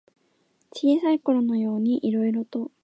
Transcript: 小さいころのようにいろいろと。